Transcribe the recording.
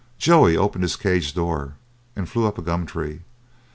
Joey opened his cage door, and flew up a gum tree.